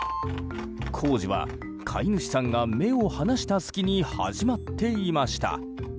工事は、飼い主さんが目を離した隙に始まっていました。